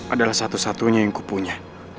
adalah satu satu nya yang kupunya